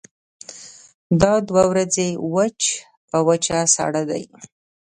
دا دوه ورځې وچ په وچه ساړه دي.